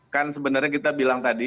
kan sebenarnya kita bilang tadi